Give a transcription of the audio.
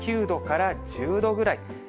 ９度から１０度ぐらい。